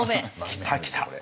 来た来た。